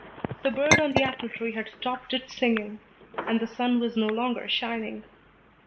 The bird on the apple tree had stopped its singing, and the sun was no longer shining.